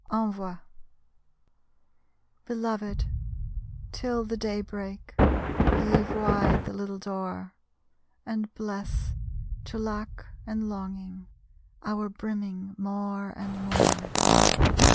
ENVOI _Belovèd, till the day break, Leave wide the little door; And bless, to lack and longing, Our brimming more and more.